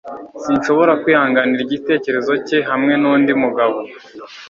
Sinshobora kwihanganira igitekerezo cye hamwe nundi mugabo